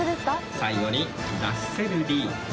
最後にラッセルリー。